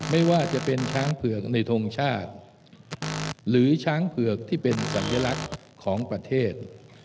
ไม่ว่าจะเป็นช้างเผือกในทงชาติหรือช้างเผือกที่เป็นสัญลักษณ์ของประเทศ